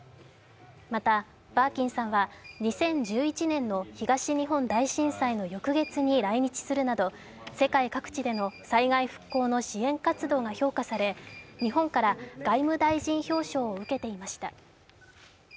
また、バーキンさんは２０１１年の東日本大震災の翌月に来日するなど世界各地での災害復興の支援活動が評価され日本から外務大臣表彰を受けていました。